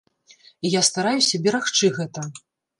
І я стараюся берагчы гэта.